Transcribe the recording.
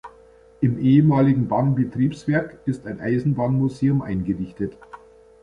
Im ehemaligen Bahnbetriebswerk ist ein Eisenbahnmuseum eingerichtet.